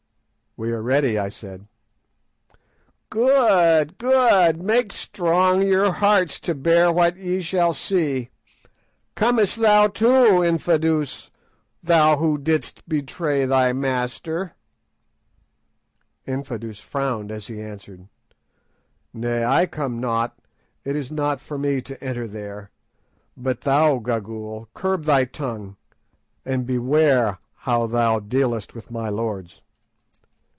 _" "We are ready," I said. "Good, good! Make strong your hearts to bear what ye shall see. Comest thou too, Infadoos, thou who didst betray thy master?" Infadoos frowned as he answered— "Nay, I come not; it is not for me to enter there. But thou, Gagool, curb thy tongue, and beware how thou dealest with my lords.